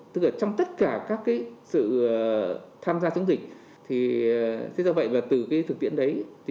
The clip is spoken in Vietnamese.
tức là trong tất cả các cái sự tham gia chống dịch thì thế do vậy và từ cái thực tiễn đấy